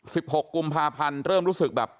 หกกุมภาพันธ์เริ่มรู้สึกแบบ